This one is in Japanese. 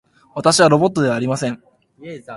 私はロボットではありません。